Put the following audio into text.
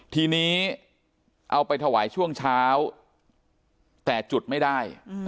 ทีนี้เอาไปถวายช่วงเช้าแต่จุดไม่ได้